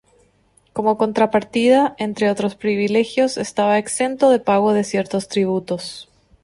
Como contrapartida, entre otros privilegios, estaba exento de pago de ciertos tributos.